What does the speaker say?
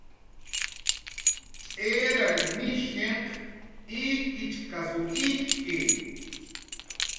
Tz'irar mishinhq ikichkasw ikki